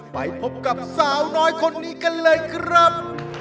ไปพบกับสาวน้อยคนนี้กันเลยครับ